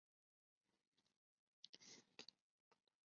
世界各国在日本水俣病事件后逐渐开始了解汞的危害。